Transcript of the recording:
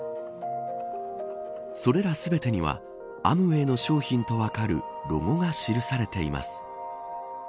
それら全てにはアムウェイの商品と分かるロゴが記されています。